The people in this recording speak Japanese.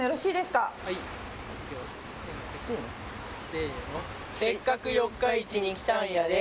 せーの「せっかく四日市にきたんやで」